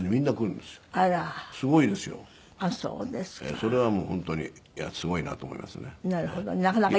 それはもう本当にすごいなと思いますね。